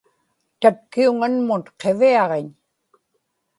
tatkiuŋanmun qiviaġiñ